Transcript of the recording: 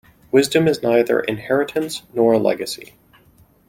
Wisdom is neither inheritance nor a legacy.